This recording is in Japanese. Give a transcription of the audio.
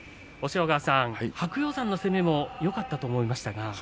押尾川さん、白鷹山の攻めもよかったと思いましたが。